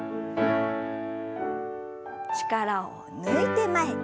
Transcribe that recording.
力を抜いて前。